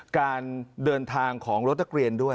การเดินทางของรถนักเรียนด้วย